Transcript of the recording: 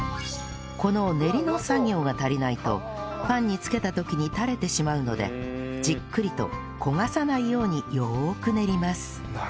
この練りの作業が足りないとパンに付けた時に垂れてしまうのでじっくりと焦がさないようによく練ります